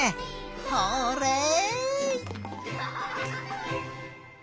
ホーレイ！